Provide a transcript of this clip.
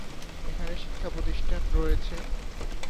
এখানে শিক্ষা প্রতিষ্ঠান রয়েছেঃ